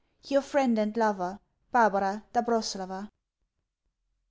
Your friend and lover, BARBARA DOBROSELOVA.